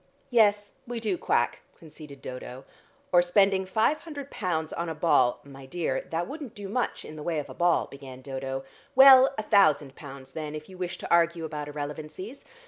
"Yes, we do quack," conceded Dodo. "Or spending five hundred pounds on a ball " "My dear, that wouldn't do much in the way of a ball," began Dodo. "Well, a thousand pounds then, if you wish to argue about irrelevancies.